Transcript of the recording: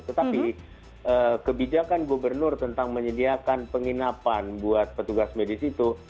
tetapi kebijakan gubernur tentang menyediakan penginapan buat petugas medis itu